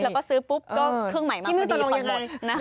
แล้วก็ซื้อปุ๊บก็เครื่องใหม่มากกว่าดีพอหมดที่มึงจะลงยังไง